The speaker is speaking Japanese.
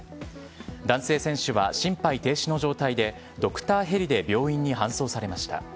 男性選手は心肺停止の状態でドクターヘリで病院に搬送されました。